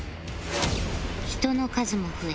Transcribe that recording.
人の数も増え